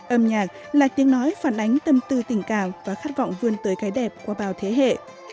âm nhạc là tiếng nói phản ánh tâm tư tình cảm và khát vọng vươn tới cái đẹp qua bao thế hệ